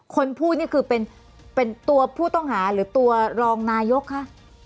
คนพูดนี่คือเป็นตัวผู้ต้องหาหรือตัวรองนายกคะ